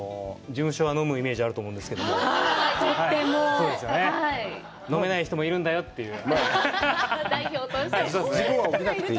事務所は飲むイメージがあると思うんですけど、飲めない人もいるんだよっていう。